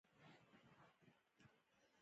جګړه د نسلونو دښمنه ده